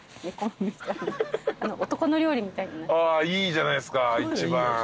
あいいじゃないっすか一番。